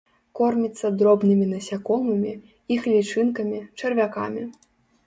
Корміцца дробнымі насякомымі, іх лічынкамі, чарвякамі.